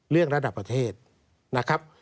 เรื่องระดับประเทศนะครับ